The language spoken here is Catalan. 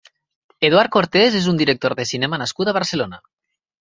Eduard Cortés és un director de cinema nascut a Barcelona.